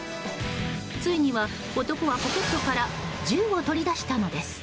ついには、男はポケットから銃を取り出したのです。